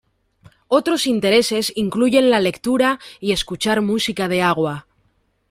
Otros intereses incluyen la lectura y escuchar música de agua.